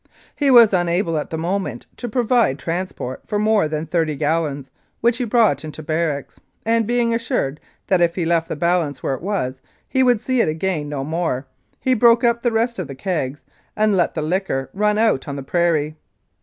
He was unable at the moment to provide trans port for more than thirty gallons, which he brought into barracks, and being assured that if he left the balance where it was he would see it again no more, he broke up the rest of the kegs and let the liquor run out on the prairie.